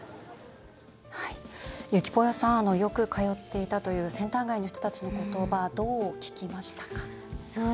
ゆきぽよさんよく通っていたというセンター街の人たちの言葉どう聞きましたか？